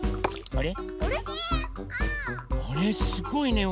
あれ？